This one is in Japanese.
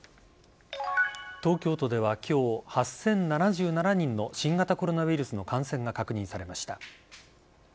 東京都では今日８０７７人の新型コロナウイルスの感染が確認されました。